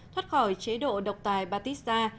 thoát khỏi chế độ độc tài batista